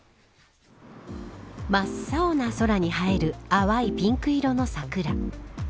真っ青な空に映える淡いピンク色の桜。